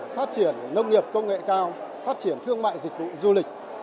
phát triển nông nghiệp công nghệ cao phát triển thương mại dịch vụ du lịch